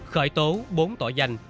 khởi tố bốn tội danh